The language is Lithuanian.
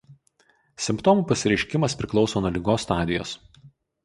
Simptomų pasireiškimas priklauso nuo ligos stadijos.